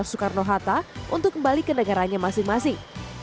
soekarno hatta untuk kembali ke negaranya masing masing